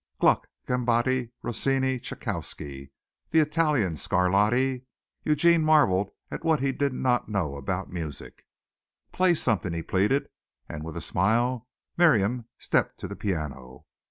Gluck, Sgambati, Rossini, Tschaikowsky the Italian Scarlatti Eugene marvelled at what he did not know about music. "Play something," he pleaded, and with a smile Miriam stepped to the piano.